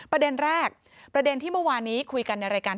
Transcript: ประเด็นแรกประเด็นที่เมื่อวานนี้คุยกันในรายการ